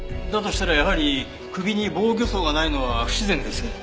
だとしたらやはり首に防御創がないのは不自然です。